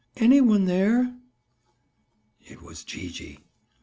"Any one there?" It was Gee gee.